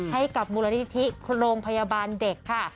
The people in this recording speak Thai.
ให้กับมูลนิธิโรงพยาบาลเด็กค่ะ